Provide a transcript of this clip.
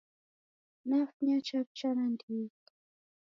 Nafunya chaw'ucha nandighi